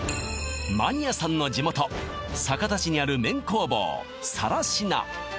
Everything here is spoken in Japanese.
マニアさんの地元酒田市にある麺工房さらしな